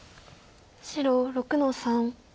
白６の三。